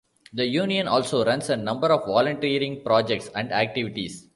The Union also runs a number of volunteering projects and activities.